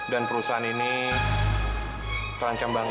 dan perusahaan ini terancam banget